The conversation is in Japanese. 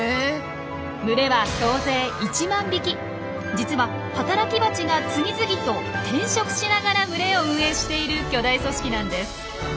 群れは総勢実は働きバチが次々と転職しながら群れを運営している巨大組織なんです。